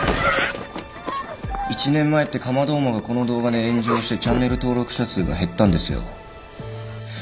１年前ってカマドウマがこの動画で炎上してチャンネル登録者数が減ったんですよ。